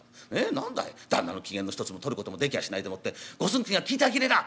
何だい旦那の機嫌の一つもとることもできやしないでもって五寸くぎが聞いてあきれらあ。